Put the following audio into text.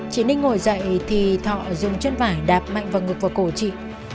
trị ninh ngồi dậy thì thỏa dùng chân vải đạp mạnh vào ngực và cổ trị